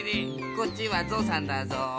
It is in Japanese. こっちはゾウさんだぞう。